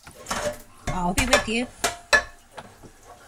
I’ll be with you.